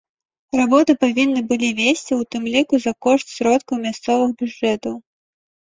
Работы павінны былі весці у тым ліку за кошт сродкаў мясцовых бюджэтаў.